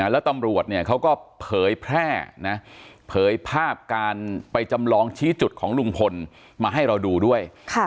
แล้วตำรวจเนี่ยเขาก็เผยแพร่นะเผยภาพการไปจำลองชี้จุดของลุงพลมาให้เราดูด้วย